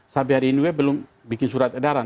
sampai hari ini belum bikin surat edaran